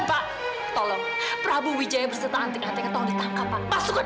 bahkan setelah aku tahu